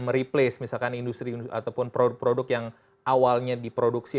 mereplace misalkan industri ataupun produk produk yang awalnya diproduksi